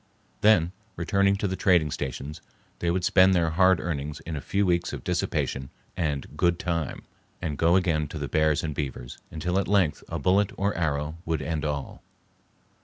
Then, returning to the trading stations, they would spend their hard earnings in a few weeks of dissipation and "good time," and go again to the bears and beavers, until at length a bullet or arrow would end all.